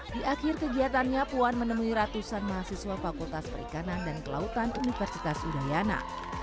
di akhir kegiatannya puan menemui ratusan mahasiswa fakultas perikanan dan kelautan universitas udayana